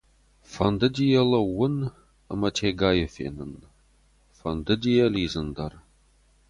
Фӕндыди йӕ лӕууын ӕмӕ Тегайы фенын, фӕндыди йӕ лидзын дӕр.